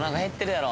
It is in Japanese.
やろ